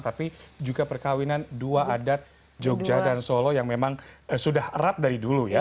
tapi juga perkawinan dua adat jogja dan solo yang memang sudah erat dari dulu ya